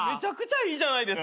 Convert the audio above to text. いいじゃないですか。